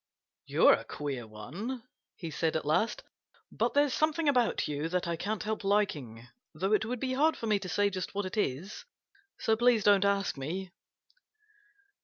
"You're a queer one!" he said at last "But there's something about you that I can't help liking, though it would be hard for me to say just what it is so please don't ask me!"